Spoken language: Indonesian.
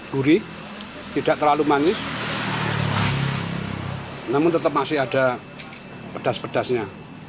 gurih tidak terlalu manis namun tetap masih ada pedas pedasnya